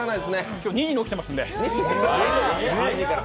今日２時に起きてますので。